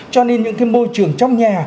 cho nên những cái môi trường trong nhà